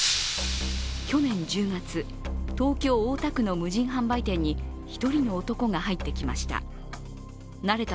去年１０月、東京・大田区の無人販売店に１人の男が入ってきました。